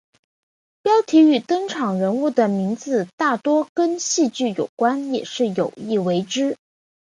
标题与登场人物的名字大多跟戏剧有关也是有意为之。